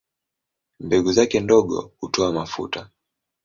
Mbegu zake ndogo hutoa mafuta.